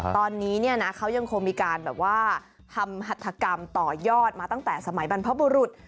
ตอนนี้เขายังคงมีการทำฮัฐกรรมต่อยอดมาตั้งแต่สมัยบรรพบุรุษ